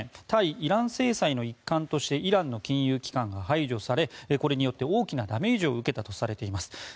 対イラン制裁の一環としてイランの金融機関が排除されこれによって大きなダメージを受けたとされています。